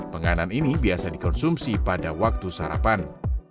penganan ini biasa dikonsumsi pada waktu sarapan